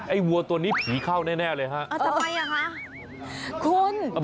ไอ้วัวตัวนี้ผีเข้าแน่เลยครับ